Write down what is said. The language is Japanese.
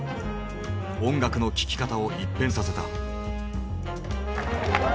音楽の聴き方を一変させた。